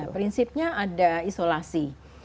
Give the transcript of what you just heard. prinsipnya ada isolasi